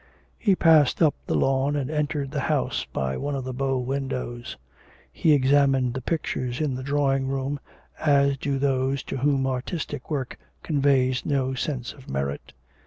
He passed up the lawn and entered the house by one of the bow windows. He examined the pictures in the drawing room, as do those to whom artistic work conveys no sense of merit.